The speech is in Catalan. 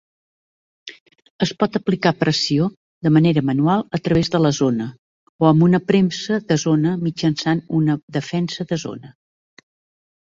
Es pot aplicar pressió de manera manual a través de la zona o amb una premsa de zona mitjançant una defensa de zona.